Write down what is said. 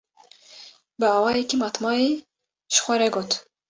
Bi awayekî matmayî ji xwe re got: